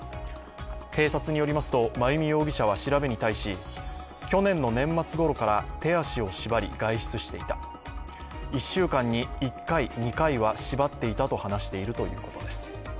警察によりますと真由美容疑者は調べに対し去年の年末ごろから手足を縛り外出していた１週間に１回、２回は縛っていたと話しているということです。